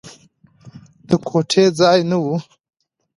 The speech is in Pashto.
د ګوتې ځای نه و.